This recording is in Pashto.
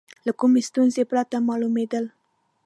له کومې ستونزې پرته معلومېدل.